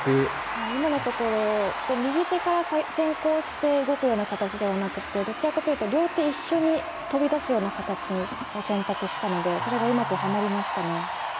今のところ右手から先行して動くような形ではなくてどちらかというと両手一緒に飛び出すような形を選択したのでそれがうまくはまりましたね。